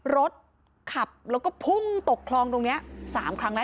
รถขับแล้วก็พุ่งตกคลองตรงนี้๓ครั้งแล้ว